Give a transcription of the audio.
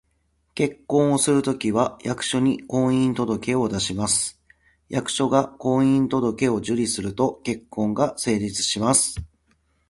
結婚をするときは、役所に「婚姻届」を出します。役所が「婚姻届」を受理すると、結婚が成立します